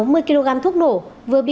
vừa bị vụ án đặc biệt nghiêm trọng này